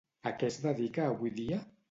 A què es dedica avui dia?